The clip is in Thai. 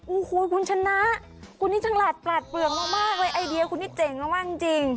โอ้โหคุณชนะคุณนี่ฉลาดปลาดเปลืองมากเลยไอเดียคุณนี่เจ๋งมากจริง